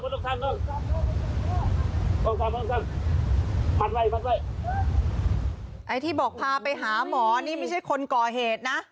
หลีน่ารายปัดไว้อีทีบอกพาไปหาหมอนี่ไม่ใช่คนก่อเหตุนะ